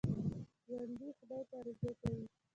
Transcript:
ژوندي خدای ته رجوع کوي